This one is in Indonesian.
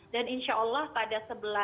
dan insya allah pada sebelas